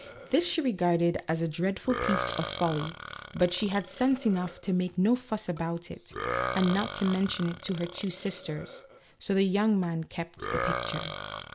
This she regarded as a dreadful piece of folly, but she had sense enough to make no fuss about it, and not to mention it to her two sisters ; so the young man kept the picture.